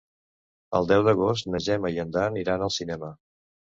El deu d'agost na Gemma i en Dan iran al cinema.